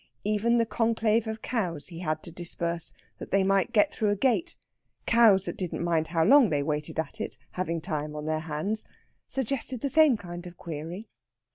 Even the conclave of cows he had to disperse that they might get through a gate cows that didn't mind how long they waited at it, having time on their hands suggested the same kind of query.